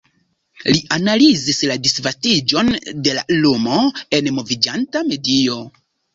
Li analizis la disvastiĝon de la lumo en moviĝanta medio.